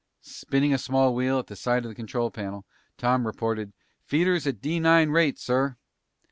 Spinning a small wheel at the side of the control panel, Tom reported, "Feeders at D 9 rate, sir!"